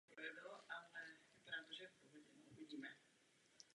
Snaží se získat nominaci Republikánské strany.